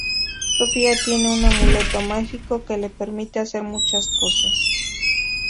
Sofía tiene un amuleto mágico que le permite hacer muchas cosas.